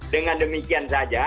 dengan demikian saja